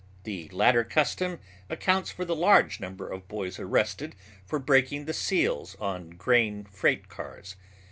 The latter custom accounts for the large number of boys arrested for breaking the seals on grain freight cars.